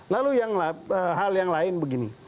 lalu hal yang lain begini